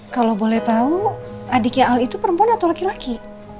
kalau boleh tahu adiknya al itu perempuan atau laki laki